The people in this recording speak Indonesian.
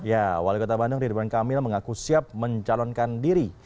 ya wali kota bandung ridwan kamil mengaku siap mencalonkan diri